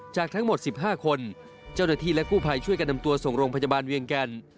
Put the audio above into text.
จากทั้งหมด๑๕คนเจ้าหน้าที่และกู้ภัยช่วยกันนำตัวส่งโรงพยาบาลเวียงแก่น